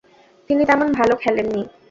তিনি তেমন ভালো খেলেননি।